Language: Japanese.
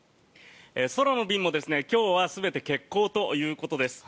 空の便も今日は全て欠航ということです。